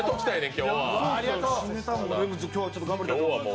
今日は頑張りたいと思います。